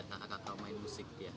lihat kakak kakak main musik dia